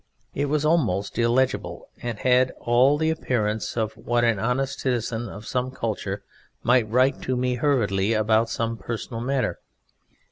It was almost illegible, and had all the appearance of what an honest citizen of some culture might write to one hurriedly about some personal matter.